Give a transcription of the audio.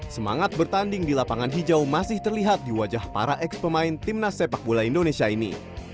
semangat bertanding di lapangan hijau masih terlihat di wajah para ex pemain timnas sepak bola indonesia ini